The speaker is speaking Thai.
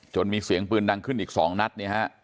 มีเสียงปืนดังขึ้นอีก๒นัดเนี่ยฮะ